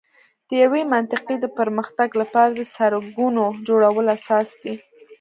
د یوې منطقې د پر مختګ لپاره د سړکونو جوړول اساس دی.